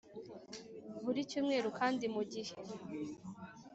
Buri cyumweru kandi mu gihe